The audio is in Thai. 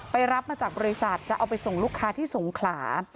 รับมาจากบริษัทจะเอาไปส่งลูกค้าที่สงขลา